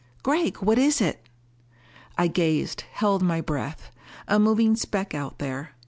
"Gregg, what is it?" I gazed, held my breath. A moving speck out there.